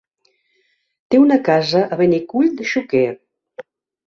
Té una casa a Benicull de Xúquer.